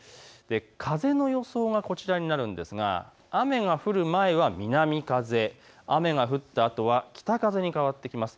風の予想がこちらになるんですが、雨が降る前は南風、雨が降ったあとは北風に変わってきます。